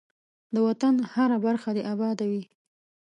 ده وطن هره برخه دی اباده وی.